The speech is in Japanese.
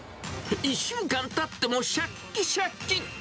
１週間たってもしゃっきしゃき。